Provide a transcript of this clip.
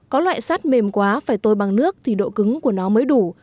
có loại sắt mềm quá phải tôi bằng nước thì độ cứng của nó mới đủ